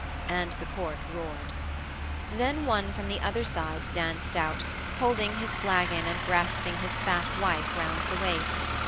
and the Court roared. Then one from the other side danced out, holding his flagon and grasping his fat wife round the waist.